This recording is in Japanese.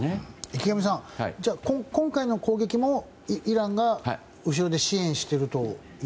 池上さん、今回の攻撃もイランが後ろで支援しているという？